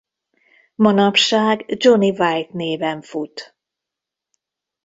Manapság Johnny White néven fut.